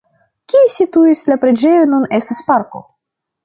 Kie situis la preĝejo nun estas parko.